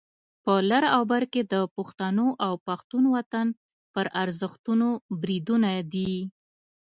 په لر او بر کې د پښتنو او پښتون وطن پر ارزښتونو بریدونه دي.